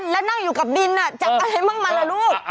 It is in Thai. แล้วนั่งอยู่กับดินจับอะไรบ้างมันล่ะลูก